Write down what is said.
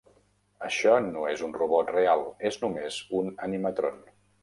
Això no és un robot real, és només un animatron.